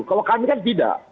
kalau kami kan tidak